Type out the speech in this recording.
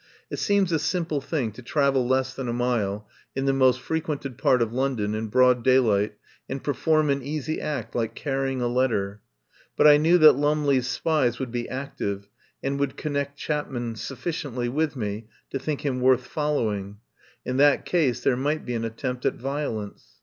It seems a simple thing to travel less than a mile in the most frequented part of London in broad daylight, and perform an easy act like carrying a letter; but I knew that Lum ley's spies would be active, and would con nect Chapman sufficiently with me to think him worth following. In that case there might be an attempt at violence.